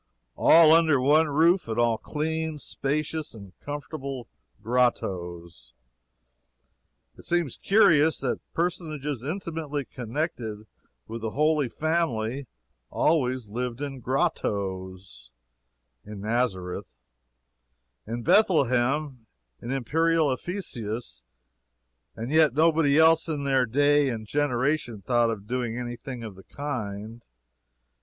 All under one roof, and all clean, spacious, comfortable "grottoes." It seems curious that personages intimately connected with the Holy Family always lived in grottoes in Nazareth, in Bethlehem, in imperial Ephesus and yet nobody else in their day and generation thought of doing any thing of the kind.